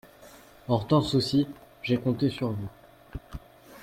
Hortense Aussi, j'ai compté sur vous.